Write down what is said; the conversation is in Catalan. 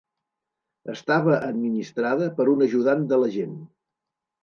Estava administrada per un ajudant de l'agent.